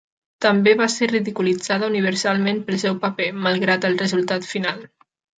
També va ser ridiculitzada universalment pel seu paper, malgrat el resultat final.